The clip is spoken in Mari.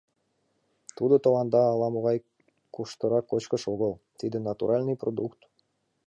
— Тудо тыланда ала-могай куштыра кочкыш огыл, тиде натуральный продукт!